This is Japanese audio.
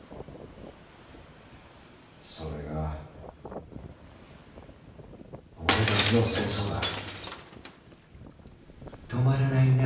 それが俺たちの戦争だ。